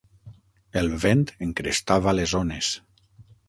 El vent encrestava les ones.